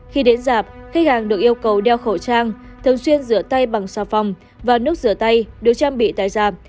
khi đến giạp khách hàng được yêu cầu đeo khẩu trang thường xuyên rửa tay bằng xà phòng và nước rửa tay đều trang bị tài giảm